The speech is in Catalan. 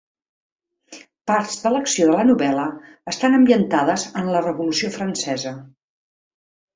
Parts de l'acció de la novel·la estan ambientades en la Revolució Francesa.